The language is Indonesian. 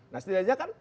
nah setidaknya kan